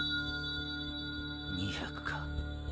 ２００か。